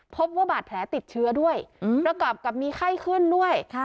พบว่าบาดแผลติดเชื้อด้วยประกอบกับมีไข้ขึ้นด้วย